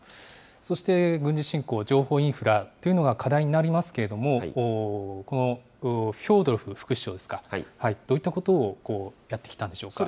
そして軍事侵攻、情報インフラというのが課題になりますけれども、このフョードロフ副首相ですか、どういったことをやってきたんでしょうか。